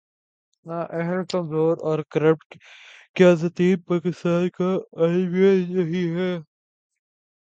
نا اہل‘ کمزور اور کرپٹ قیادتیں پاکستان کا المیہ رہی ہیں۔